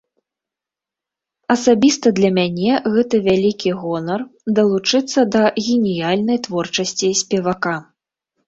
Асабіста для мяне гэта вялікі гонар далучыцца да геніальнай творчасці спевака.